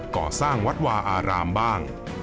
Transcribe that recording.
ก่อสร้างวัดวาอารามบ้าง